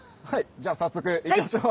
じゃあ早速行きましょう。